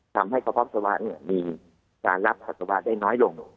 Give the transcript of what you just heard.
ทำให้ภักษณวะประธุดได้ลง